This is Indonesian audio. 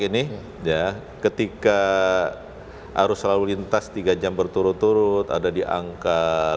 jakarta cikampek ini ketika arus selalu lintas tiga jam berturut turut ada di angka lima